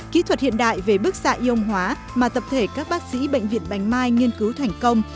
kỹ thuật hiện đại về bức xạ y âm hóa mà tập thể các bác sĩ bệnh viện bạch mai nghiên cứu thành công